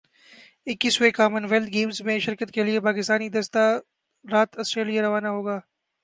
اکیسویں Commonwealth Games میں شرکت کے لئے پاکستانی دستہ رات سٹریلیا روانہ ہو گا